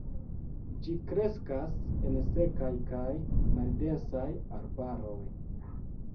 Ĝi kreskas en sekaj kaj maldensaj arbaroj.